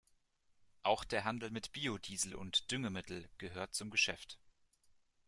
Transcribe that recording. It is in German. Auch der Handel mit Biodiesel und Düngemittel gehört zum Geschäft.